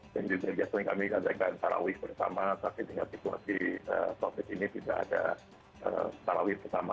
dan juga biasanya kami adakan salawis bersama tapi dengan situasi covid ini tidak ada salawis bersama